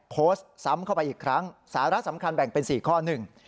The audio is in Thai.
โพสต์ซ้ำเข้าไปอีกครั้งสาระสำคัญแบ่งเป็น๔ข้อหนึ่ง